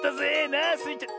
なあスイちゃん。